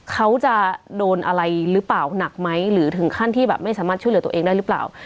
เขาจะโดนอะไรหรือเปล่าหนักไหมหรือถึงขั้นที่แบบไม่สามารถช่วยเหลือตัวเองได้หรือเปล่า